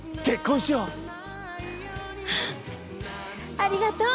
ありがとう！